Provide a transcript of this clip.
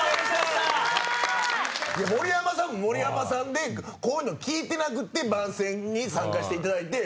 森山さんも森山さんでこういうの聞いてなくて番宣に参加していただいてこれやから。